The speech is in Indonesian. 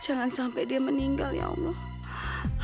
jangan sampai dia meninggal ya allah